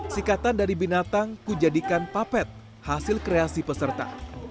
sikatan dari binatang kujadikan papet hasil kreasi peserta